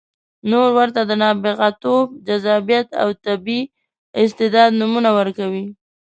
نور ورته د نابغتوب، جذابیت او طبیعي استعداد نومونه ورکوي.